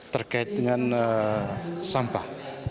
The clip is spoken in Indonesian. terkait dengan sampah